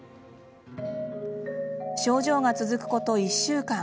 症状が続くこと１週間。